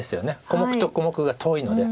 小目と小目が遠いので。